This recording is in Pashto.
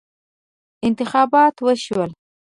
انتخابات وشول.